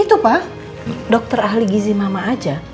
itu pak dokter ahli gizi mama aja